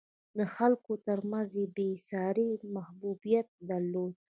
د خلکو ترمنځ یې بېساری محبوبیت درلود.